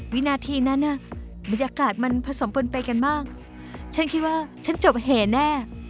วินาทีนั้นน่ะบรรยากาศมันผสมปนไปกันมากฉันคิดว่าฉันจบแห่แน่